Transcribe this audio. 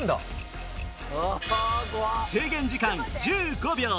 制限時間１５秒